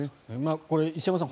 これ、石山さん